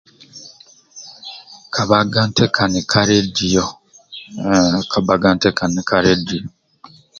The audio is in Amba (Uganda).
Nki bhaga mini te kani ka radio